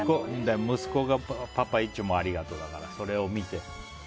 息子がパパいちゅもありがとっだからそれを見てね。